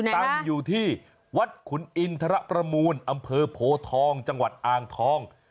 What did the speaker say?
ตั้งอยู่ที่วัดขุนอินทรประมูลอำเภอโพทองจังหวัดอ่างทอง